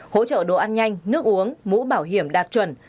hỗ trợ đồ ăn nhanh nước uống mũ bảo hiểm đạt chuẩn